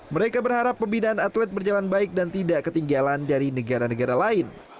mereka berharap pembinaan atlet berjalan baik dan tidak ketinggalan dari negara negara lain